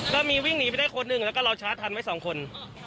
ก็มีวิ่งหนีไปได้คนหนึ่งแล้วก็เราชาร์จทันไว้สองคน